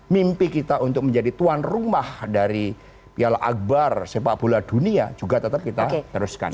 mimpi kita untuk menjadi tuan rumah dari piala akbar sepak bola dunia juga tetap kita teruskan